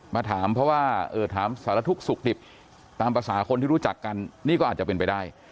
มาถามเพราะว่าถามสารทุกข์สุขดิบตามภาษาคนที่รู้จักกันนี่ก็อาจจะเป็นไปได้